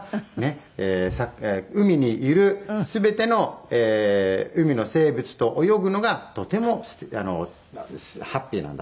海にいる全ての海の生物と泳ぐのがとてもハッピーなんだ」とね。